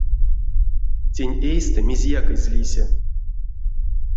Тень эйстэ мезеяк эзь лисе.